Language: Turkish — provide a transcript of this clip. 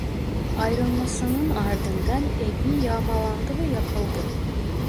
Ayrılmasının ardından evi yağmalandı ve yakıldı.